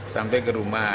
sampai ke rumah